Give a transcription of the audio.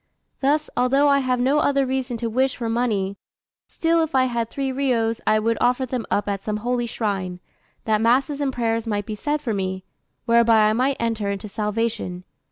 Thus, although I have no other reason to wish for money, still if I had three riyos I would offer them up at some holy shrine, that masses and prayers might be said for me, whereby I might enter into salvation.